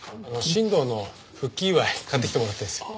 新藤の復帰祝い買ってきてもらってるんですよ。